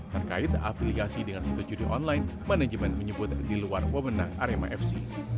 terkait afiliasi dengan situ judi online manajemen menyebut di luar wewenang arema fc